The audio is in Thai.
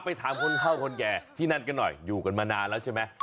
ถามคนเท่าคนแก่ที่นั่นกันหน่อยอยู่กันมานานแล้วใช่ไหม